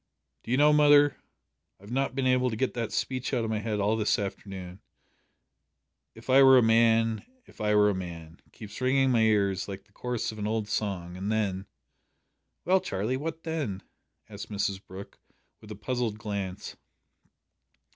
"Do you know, mother, I've not been able to get that speech out of my head all this afternoon. `If I were a man if I were a man,' keeps ringing in my ears like the chorus of an old song, and then " "Well, Charlie, what then?" asked Mrs Brooke, with a puzzled glance.